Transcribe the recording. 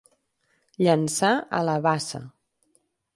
Llençar a la bassa.